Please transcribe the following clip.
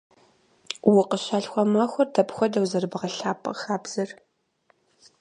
Укъыщалъхуа махуэр дапхуэдэу зэрыбгъэлъапӏэ хабзэр?